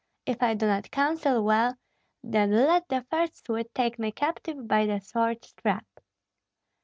If I do not counsel well, then let the first Swede take me captive by the sword strap."